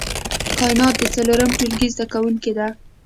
کاينات د څلورم ټولګي زده کوونکې ده